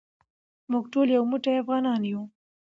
موږ ټول یو موټی افغانان یو.